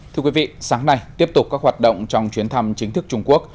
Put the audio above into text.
thưa quý vị sáng nay tiếp tục các hoạt động trong chuyến thăm chính thức trung quốc